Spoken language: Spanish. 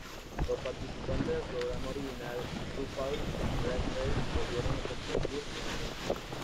Los participantes del programa original RuPaul's Drag Race volvieron a competir nuevamente.